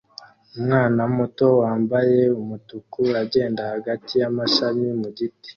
Umwana muto wambaye umutuku agenda hagati yamashami mugiti